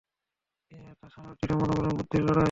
এটা সাহস, দৃঢ় মনোবল এবং বুদ্ধির লড়াই।